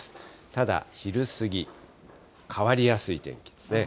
ただ昼過ぎ、変わりやすい天気ですね。